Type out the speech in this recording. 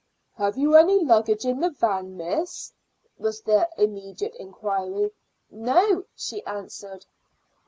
"Have you any luggage in the van, miss?" was the immediate inquiry. "No," she answered.